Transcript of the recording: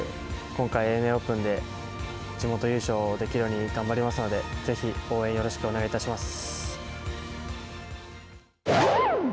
今回、ＡＮＡオープンで地元優勝できるように頑張りますので、ぜひ応援よろしくお願いいたします。